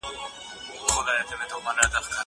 زه پرون د کتابتون پاکوالی وکړ.